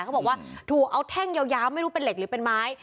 เขาบอกว่าถูกเอาแท่งยาวไม่รู้เป็นเหล็กหรือเป็นไม้